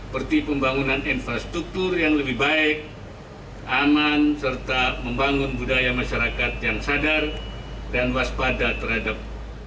seperti pembangunan infrastruktur yang lebih baik aman serta membangun budaya masyarakat yang sadar dan waspada terhadap